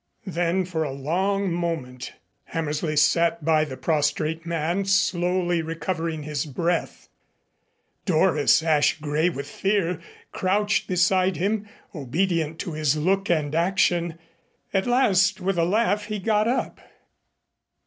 Then for a long moment Hammersley sat by the prostrate man, slowly recovering his breath. Doris, ash gray with fear, crouched beside him, obedient to his look and action. At last with a laugh he got up.